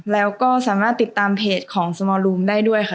แล้วก็สามารถติดตามเพจของสมอร์รูมได้ด้วยค่ะ